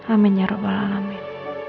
amin ya rabbal alamin